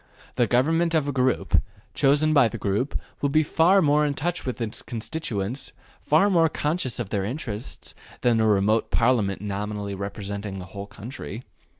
The government of a group, chosen by the group, will be far more in touch with its constituents, far more conscious of their interests, than a remote Parliament nominally representing the whole country.